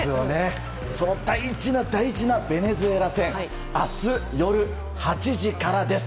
その大事な大事なベネズエラ戦明日夜８時からです。